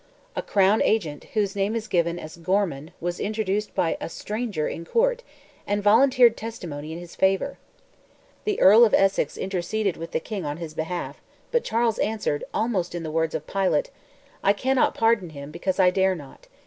A "crown agent," whose name is given as Gorman, was introduced by "a stranger" in court, and volunteered testimony in his favour. The Earl of Essex interceded with the King on his behalf, but Charles answered, almost in the words of Pilate—"I cannot pardon him, because I dare not.